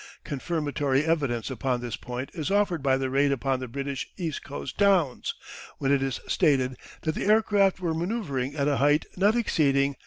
Confirmatory evidence upon this point is offered by the raid upon the British East Coast towns, when it is stated that the aircraft were manoeuvring at a height not exceeding 2,000 feet.